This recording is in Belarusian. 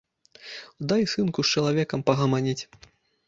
Дай, сынку, з чалавекам пагаманіць!